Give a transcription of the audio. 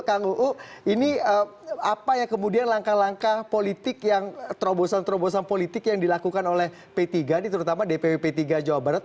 kang uu ini apa yang kemudian langkah langkah politik yang terobosan terobosan politik yang dilakukan oleh p tiga ini terutama dpw p tiga jawa barat